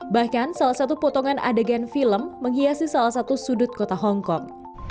bahkan salah satu potongan adegan film menghiasi salah satu sudut kota hongkong